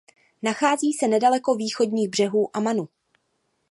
Nachází se nedaleko východních břehů Amanu.